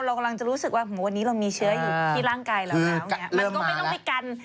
เรากำลังจะรู้สึกว่าวันนี้เรามีเชื้ออยู่ที่ร่างกายเราแล้วเนี่ยมันก็ไม่ต้องไปกัน